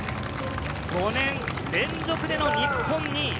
５年連続での日本２位。